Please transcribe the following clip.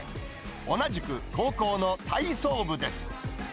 同じく高校の体操部です。